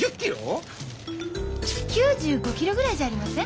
９５キロぐらいじゃありません？